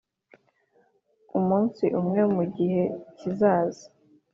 umunsi umwe mugihe kizaza